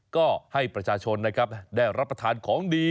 ก็ให้ประชาชนได้รับประทานของดี